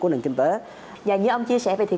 của nền kinh tế và như ông chia sẻ vậy thì